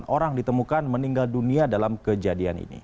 delapan orang ditemukan meninggal dunia dalam kejadian ini